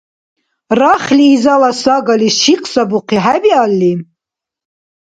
Рахли изала сагали шикьсабухъи хӀебиалли?